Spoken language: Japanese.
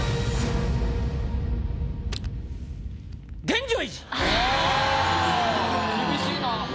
厳しいな。